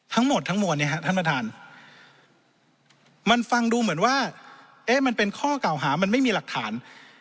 ทั้งหมดทั้งมวลเนี่ยฮะท่านประธานมันฟังดูเหมือนว่าเอ๊ะมันเป็นข้อเก่าหามันไม่มีหลักฐาน